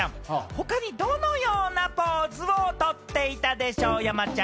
他にどのようなポーズをとっていたでしょう？